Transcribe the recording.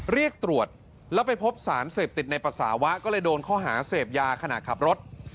เรียกตรวจแล้วไปพบสารเสพติดในปัสสาวะก็เลยโดนข้อหาเสพยาขณะขับรถ